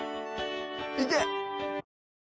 いけ！